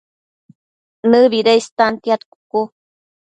¿Nëbida istantiad cucu?